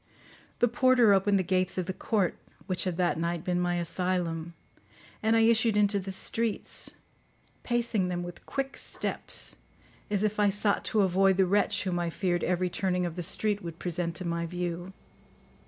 The porter opened the gates of the court, which had that night been my asylum, and I issued into the streets, pacing them with quick steps, as if I sought to avoid the wretch whom I feared every turning of the street would present to my view.